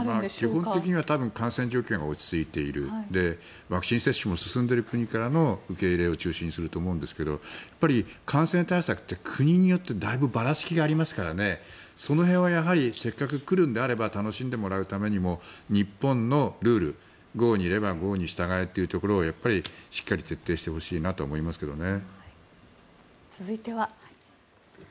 基本的には感染状況が落ち着いているワクチン接種も進んでいる国からの受け入れを中心にすると思うんですが感染対策って国によってだいぶばらつきがありますからねその辺はせっかく来るのであれば楽しんでもらうためにも日本のルール、郷に入れば郷に従えというところをやっぱりしっかり徹底してほしいなと思いますけどね。